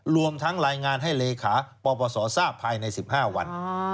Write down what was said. รวมทั้งรายงานให้เลขาปปศทราบภายใน๑๕วัน